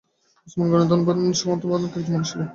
ওসমান গনি ধনবান এবং সম্ভবত ক্ষমতাবান একজন মানুষ ছিলেন।